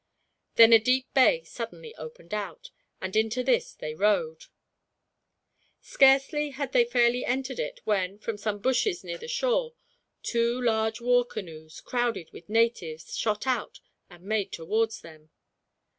Then a deep bay suddenly opened out, and into this they rowed. Scarcely had they fairly entered it when, from some bushes near the shore, two large war canoes, crowded with natives, shot out and made towards them.